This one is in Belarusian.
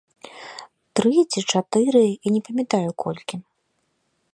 Тры ці чатыры, я не памятаю, колькі.